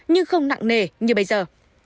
nhưng không nặng nề như bây giờ